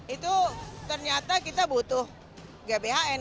itu ternyata kita butuh gbhn